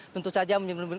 tentu saja menimbulkan